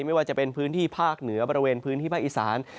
ไม่ว่าจะเป็นพื้นที่ภาคเหนือบริเวณพื้นที่ภาคอีสาน